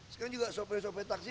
sekarang juga sopir sopir taksi